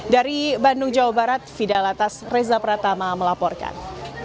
dari bandung jawa barat fidalatas reza pratama melaporkan